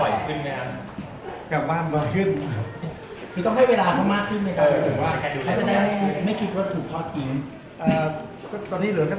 ไม่คิดว่าถือกหอถือจริงอ่า